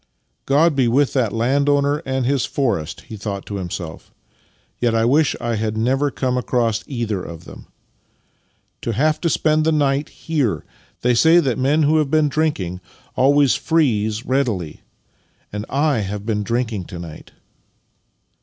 "" God be with that landowner and his forest," he 48 Master and Man thought to himself, " 3'et I wish I had never come across either of them. To have to spend the night here! They say that men who have been drinking always freeze readily, and I have been drinking to night."